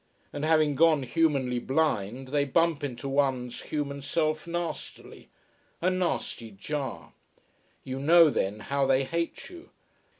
And having gone humanly blind they bump into one's human self nastily: a nasty jar. You know then how they hate you.